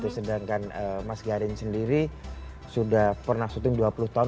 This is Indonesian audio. sedangkan mas garin sendiri sudah pernah syuting dua puluh tahun